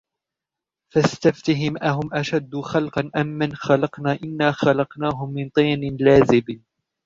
فَاسْتَفْتِهِمْ أَهُمْ أَشَدُّ خَلْقًا أَمْ مَنْ خَلَقْنَا إِنَّا خَلَقْنَاهُمْ مِنْ طِينٍ لَازِبٍ